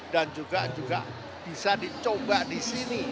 dan juga bisa dicoba di sini